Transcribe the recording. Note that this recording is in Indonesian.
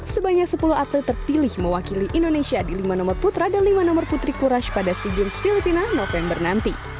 sebanyak sepuluh atlet terpilih mewakili indonesia di lima nomor putra dan lima nomor putri courage pada sea games filipina november nanti